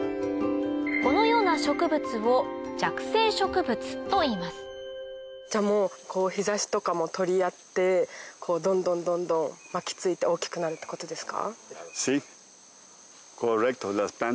このような植物をといいますじゃあ日差しとかも取り合ってどんどんどんどん巻き付いて大きくなるってことですか？